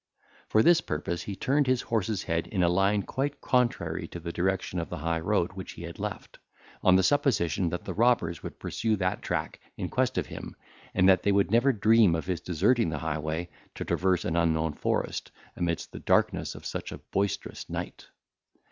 For this purpose he turned his horse's head in a line quite contrary to the direction of the high road which he had left, on the supposition that the robbers would pursue that track in quest of him, and that they would never dream of his deserting the highway, to traverse an unknown forest, amidst the darkness of such a boisterous night.